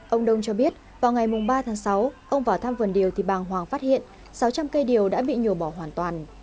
ông đông cho biết vào ngày ba tháng sáu ông vào thăm vườn điều thì bàng hoàng phát hiện sáu trăm linh cây điều đã bị nhổ bỏ hoàn toàn